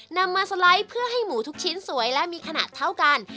นำมาสไลด์เพื่อให้หมูทุกชิ้นสวยและมีขนาดเท่ากัน